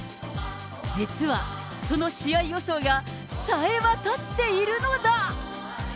実はその試合予想がさえわたっているのだ。